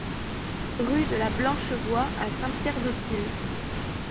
Rue de la Blanche Voie à Saint-Pierre-d'Autils